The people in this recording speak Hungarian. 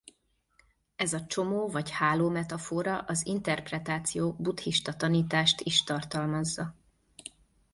Ez a csomó vagy háló metafora az interpretáció buddhista tanítást is tartalmazza.